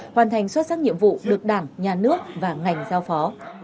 hoàn thành xuất sắc nhiệm vụ được đảng nhà nước và ngành giao phó